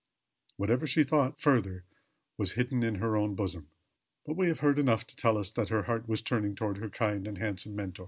Whatever she thought further was hidden in her own bosom. But we have heard enough to tell us that her heart was turning towards her kind and handsome Mentor.